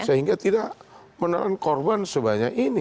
sehingga tidak menelan korban sebanyak ini